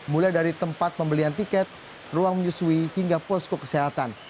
mulai dari tempat pembelian tiket ruang menyusui hingga posko kesehatan